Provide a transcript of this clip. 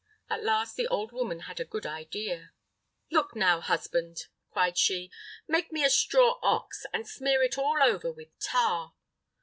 At last the old woman had a good idea. "Look, now, husband," cried she, "make me a straw ox, and smear it all over with tar."